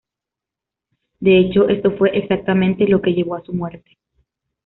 De hecho, esto fue exactamente lo que llevó a su muerte.